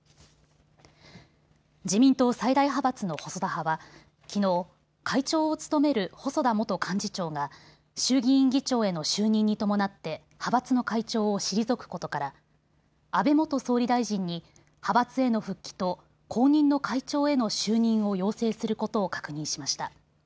自民党最大派閥の細田派はきのう、会長を務める細田元幹事長が衆議院議長への就任に伴って派閥の会長を退くことから安倍元総理大臣に派閥への復帰と後任の会長への就任を要請することを確認しました。